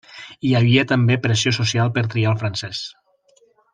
Hi havia també pressió social per triar el francès.